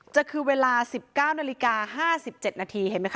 จะคือเวลา๑๙นาฬิกา๕๗นาทีเห็นไหมค